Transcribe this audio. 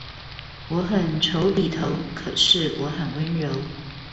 我很醜比頭，可是我很溫柔